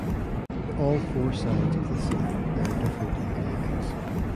All four sides of the seal bear different engravings.